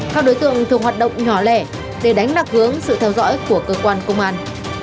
các đối tượng thường hoạt động nhỏ lẻ để đánh lạc hướng sự theo dõi của cơ quan công an